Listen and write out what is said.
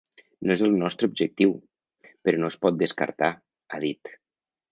No és el nostre objectiu, però no es pot descartar, ha dit.